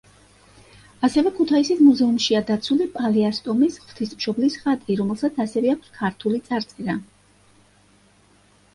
ასევე ქუთაისის მუზეუმშია დაცული პალიასტომის ღვთისმშობლის ხატი, რომელსაც ასევე აქვს ქართული წარწერა.